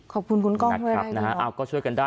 ขอบคุณคุณก้องเพื่อให้ดูนะฮะนะฮะอ้าวก็ช่วยกันได้